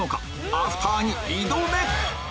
アフターに挑め！